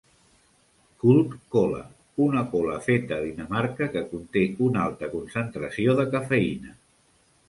Cult Cola una cola feta a Dinamarca que conté una alta concentració de cafeïna.